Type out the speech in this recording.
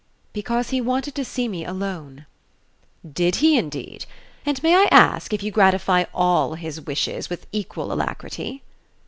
"Because he wanted to see me alone." "Did he, indeed? And may I ask if you gratify all his wishes with equal alacrity?"